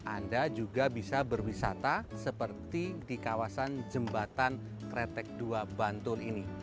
anda juga bisa berwisata seperti di kawasan jembatan kretek dua bantul ini